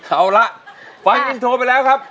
เอาละฟังอินโทรไปแล้วครับ